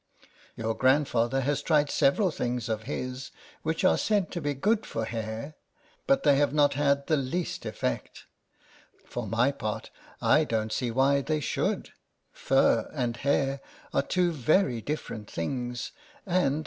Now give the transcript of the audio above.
Your grandfather has tried several things of his, which are LETTERS FROM A CAT. 85 said to be good for hair; but they have not had the least effect. For my part I don't see why they should ; fur and hair are two very different things, and